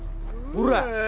ほら！